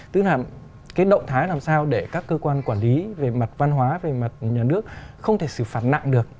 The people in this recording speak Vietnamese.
tức là cái động thái làm sao để các cơ quan quản lý về mặt văn hóa về mặt nhà nước không thể xử phạt nặng được